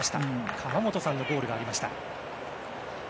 釜本さんのゴールがありました。